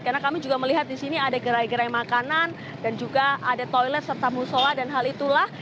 karena kami juga melihat di sini ada gerai gerai makanan dan juga ada toilet serta musola dan hal itulah